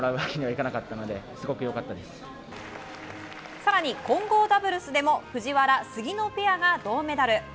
さらに混合ダブルスでも藤原・杉野ペアが銅メダル。